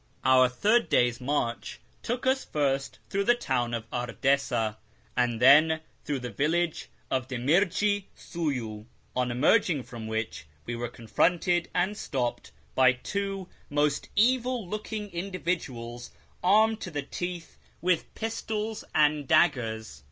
Our third day's march took us first through the town of Ardessa, and then through the village of Demirji siiyu, on emerging from which we were confronted and stopped by two most evil looking individuals armed to the teeth with pistols and daggers.